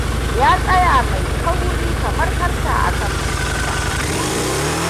Ya tsaya mai kauri kamar karta akan masifa.